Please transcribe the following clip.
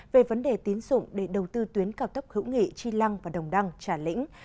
về vấn đề tín dụng để đầu tư tuyến cao tốc hữu nghị chi lăng và đồng đăng trà lĩnh